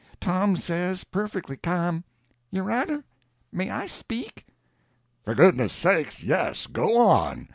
Tom says, perfectly ca'm: "Your honor, may I speak?" "For God's sake, yes—go on!"